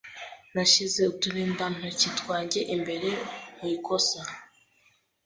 Nashyize uturindantoki twanjye imbere mu ikosa.